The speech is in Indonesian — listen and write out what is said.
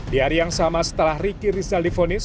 di hari yang sama setelah ricky lizal difonis